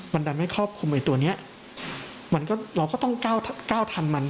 มันทำให้คอบคุมไอตัวเนี่ยเราก็ต้องก้าวทันมัน